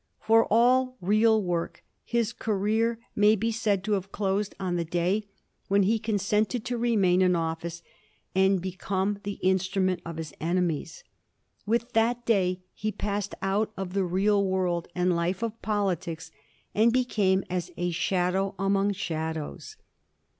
For all real work his career may be said to have closed on the day when he consented to remain in 182 A HISTORY OF THE FOUR GEORGES. en. xxxil office and become the instrament of his enemies. With that day he passed out of the real world and life of poli tics, and became as a shadow among shadows.